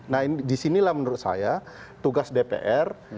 nah disinilah menurut saya tugas dpr